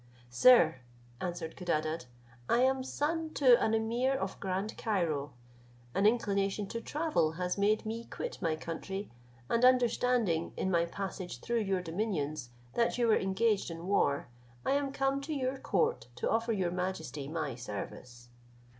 "Sir," answered Codadad, "I am son to an emir of Grand Cairo; an inclination to travel has made me quit my country, and understanding, in my passage through your dominions, that you were engaged in war, I am come to your court to offer your majesty my service."